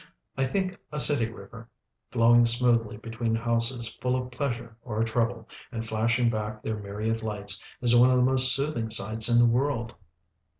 I think a city river, flowing smoothly between houses full of pleasure or trouble, and flashing back their myriad lights, is one of the most soothing sights in the world.